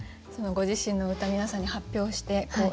ご自身の歌皆さんに発表していかがですか？